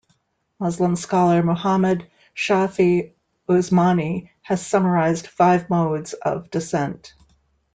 Muslim scholar Muhammad Shafi Usmani has summarized five modes of descent.